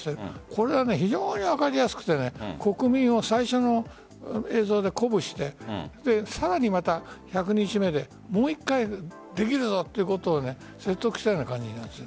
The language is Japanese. これは非常に分かりやすくて国民を最初の映像で鼓舞してさらにまた１００日目でもう１回できるぞということを説得したような感じなんです。